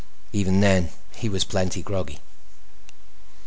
Even then, he was plenty groggy.